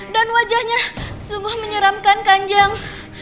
dan wajahnya sungguh menyeramkan kanjeng